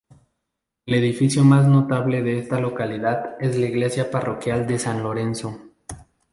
El edificio más notable de esta localidad es la iglesia parroquial de San Lorenzo.